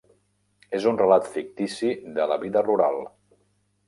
És un relat fictici de la vida rural.